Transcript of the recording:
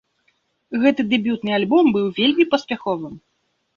Гэты дэбютны альбом быў вельмі паспяховым.